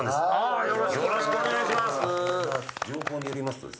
よろしくお願いします。